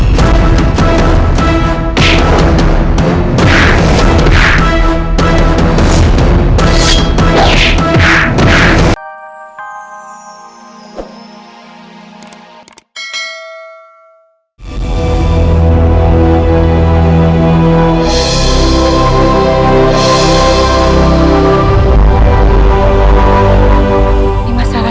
saling mencari dan saling memburu